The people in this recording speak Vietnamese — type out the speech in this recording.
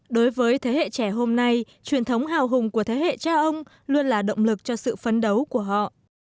đối với thế hệ trẻ hôm nay truyền thống hào hùng của thế hệ cha ông luôn là động lực cho sự phấn đấu của họ